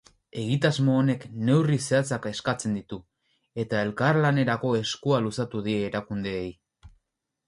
Egitasmo honek neurri zehatzak eskatzen ditu, eta elkarlanerako eskua luzatu die erakundeei.